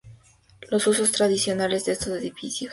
Los usos tradicionales de estos edificios eran variados.